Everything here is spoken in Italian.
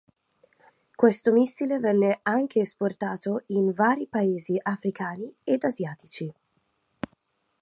Questo missile venne anche esportato in vari paesi africani ed asiatici.